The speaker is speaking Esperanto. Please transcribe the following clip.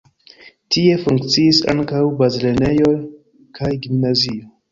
Tie funkciis ankaŭ bazlernejo kaj gimnazio.